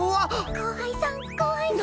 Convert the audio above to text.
後輩さん後輩さん。